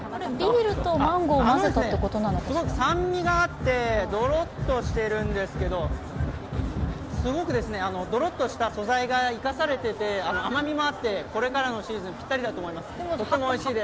すごく酸味があってどろっとしてるんですけどすごくどろっとした素材が生かされていて、甘みもあって、これからのシーズンにぴったりだと思います。